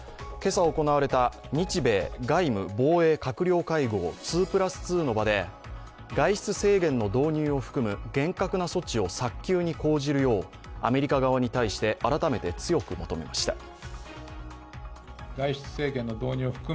今朝行われた日米外務・防衛閣僚会合＝２＋２の場で外出制限の導入を含む厳格な措置を早急に講じるようアメリカ側に対して改めて強く求めました。